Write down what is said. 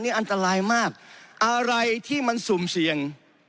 นี่อันตรายมากอะไรที่มันสุ่มเสี่ยง